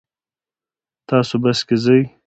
تاسو بس کې ځئ؟